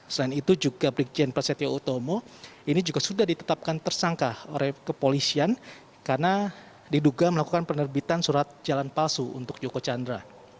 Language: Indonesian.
selain itu juga brigjen prasetyo utomo ini juga sudah ditetapkan tersangka oleh kepolisian karena diduga melakukan penerbitan surat jalan palsu untuk joko chandra